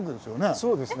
そうですね。